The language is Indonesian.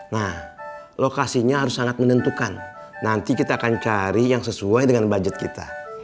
nah lokasinya harus sangat menentukan nanti kita akan cari yang sesuai dengan budget kita